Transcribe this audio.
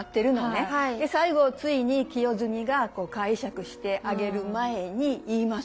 で最後ついに清澄が介錯してあげる前に言います。